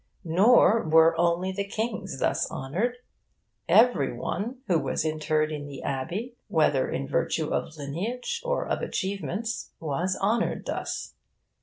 Nor were only the kings thus honoured. Every one who was interred in the Abbey, whether in virtue of lineage or of achievements, was honoured thus.